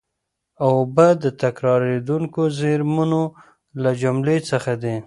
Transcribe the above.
اوبه د تکرارېدونکو زېرمونو له جملې څخه دي.